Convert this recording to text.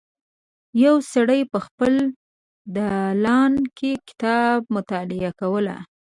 یو سړی په خپل دالان کې کتاب مطالعه کوله.